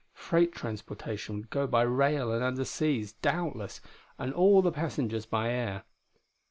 Freight transportation would go by rail and underseas, doubtless, and all the passengers by air....